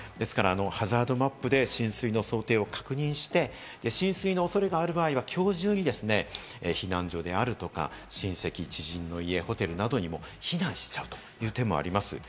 ハザードマップで浸水の想定を確認して、浸水のおそれがある場合は、きょう中に避難所であるとか、親戚、知人の家、ホテルなどにも避難をしちゃうという手もあります。